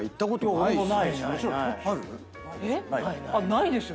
ないですよ。